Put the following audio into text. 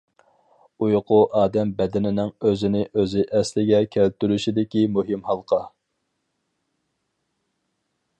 ئۇيقۇ ئادەم بەدىنىنىڭ ئۆزىنى- ئۆزى ئەسلىگە كەلتۈرۈشىدىكى مۇھىم ھالقا.